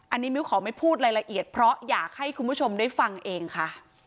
อันนี้มิ้วขอไม่พูดรายละเอียดเพราะอยากให้คุณผู้ชมได้ฟังเองค่ะ